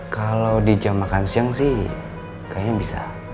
kalau di jam makan siang sih kayaknya bisa